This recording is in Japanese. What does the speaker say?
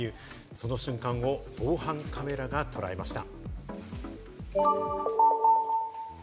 その瞬間を防犯カメラがとらえました。